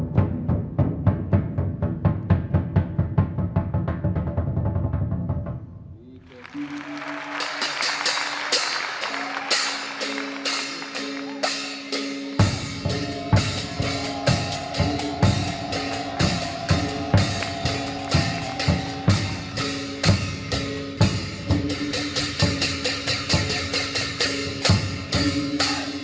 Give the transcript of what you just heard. มีเต็มสูตร